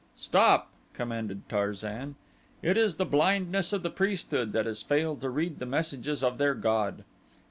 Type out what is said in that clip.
"Stop!" commanded Tarzan. "It is the blindness of the priesthood that has failed to read the messages of their god.